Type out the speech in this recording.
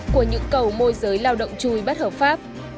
của những cầu môi giới lao động chui bất hợp pháp